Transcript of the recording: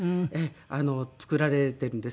作られてるんですけど。